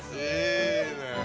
いいね。